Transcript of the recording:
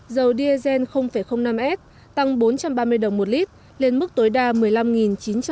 dầu diesel năm s tăng bốn trăm ba mươi đồng một lit lên mức tối đa một mươi năm chín trăm năm mươi chín đồng một lit